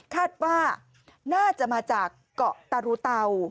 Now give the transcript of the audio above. คาดว่าน่าจะมาจากเกาะตารูเตา